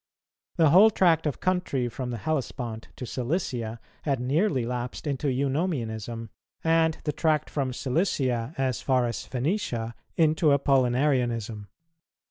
The whole tract of country from the Hellespont to Cilicia had nearly lapsed into Eunomianism, and the tract from Cilicia as far as Phœnicia into Apollinarianism.